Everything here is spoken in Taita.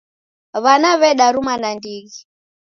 W'ana w'edaruma nandighi.